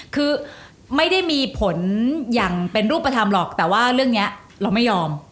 คือไม่ได้มีผลอย่างเป็นรูปธรรมหรอกแต่ว่าเรื่องนี้เราไม่ยอม